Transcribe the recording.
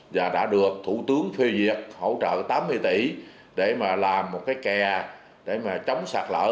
và đã được thủ tướng phê duyệt hỗ trợ tám mươi tỷ để mà làm một cái kè để mà chống sạt lở